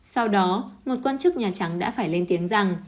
sau đó một quan chức nhà trắng đã phải lên tiếng rằng